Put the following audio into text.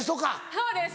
そうです。